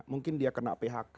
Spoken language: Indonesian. mungkin dia kena phk